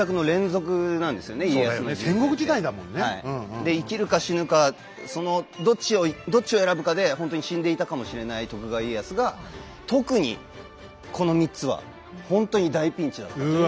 で生きるか死ぬかそのどっちを選ぶかでほんとに死んでいたかもしれない徳川家康が特にこの３つはほんとに大ピンチだったという。